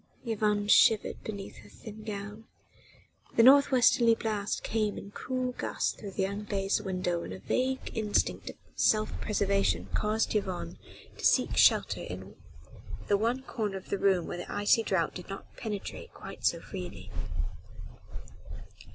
Yvonne shivered beneath her thin gown. The north westerly blast came in cruel gusts through the unglazed window and a vague instinct of self preservation caused Yvonne to seek shelter in the one corner of the room where the icy draught did not penetrate quite so freely.